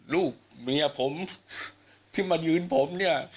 ลูกเมียผมที่มายืนผม